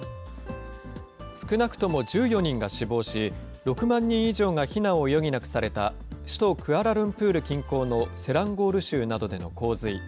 少なくとも１４人が死亡し、６万人以上が避難を余儀なくされた首都クアラルンプール近郊のセランゴール州などでの洪水。